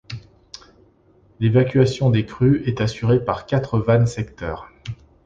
L'évacuation des crues est assurée par quatre vannes secteurs.